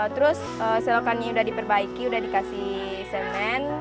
terus selokannya sudah diperbaiki udah dikasih semen